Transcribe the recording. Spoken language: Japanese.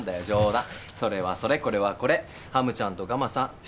冗談それはそれこれはこれハムちゃんとガマさん